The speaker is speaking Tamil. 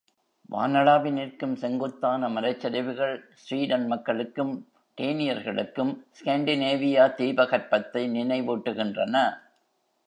வானளாவி நிற்கும் செங்குத்தான மலைச்சரிவுகள், ஸ்வீடன் மக்களுக்கும், டேனியர்களுக்கும், ஸ்காண்டிநேவியா தீபகற்பத்தை நினைவூட்டுகின்றன.